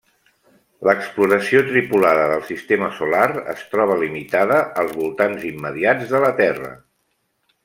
L'exploració tripulada del sistema solar es troba limitada als voltants immediats de la Terra.